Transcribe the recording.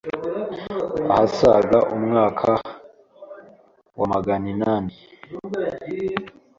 ahasaga umwaka wa maganinani